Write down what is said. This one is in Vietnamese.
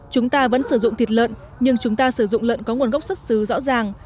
chúng ta vẫn sử dụng thịt lợn nhưng chúng ta sử dụng lợn có nguồn gốc xuất xứ rõ ràng